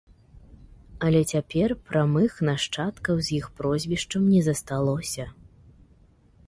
Але цяпер прамых нашчадкаў з іх прозвішчам не засталося.